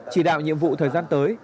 chỉ đạo nhiệm vụ thời gian tới